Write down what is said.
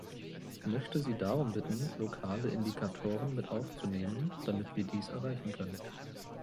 Ich möchte Sie darum bitten, lokale Indikatoren mit aufzunehmen, damit wir dies erreichen können.